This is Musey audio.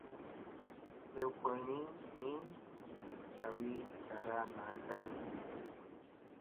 Tew koyni ni, sawi zlara naa ka ɗi.